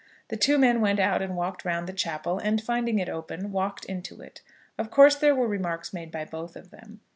The two men went out and walked round the chapel, and, finding it open, walked into it. Of course there were remarks made by both of them.